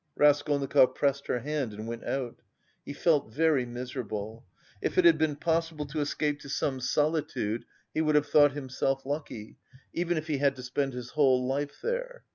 Raskolnikov pressed her hand and went out. He felt very miserable. If it had been possible to escape to some solitude, he would have thought himself lucky, even if he had to spend his whole life there.